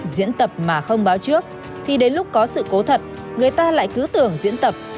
diễn tập mà không báo trước thì đến lúc có sự cố thật người ta lại cứ tưởng diễn tập